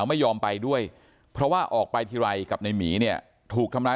ส่วนนางสุธินนะครับบอกว่าไม่เคยคาดคิดมาก่อนว่าบ้านเนี่ยจะมาถูกภารกิจนะครับ